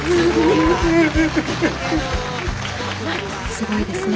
すごいですね。